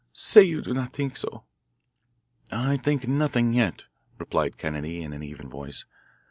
"Say you do not think so." "I think nothing yet," replied Kennedy in an even voice.